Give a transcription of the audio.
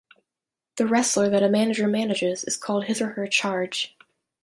The wrestler that a manager manages is called his or her charge.